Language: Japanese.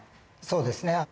そうですね。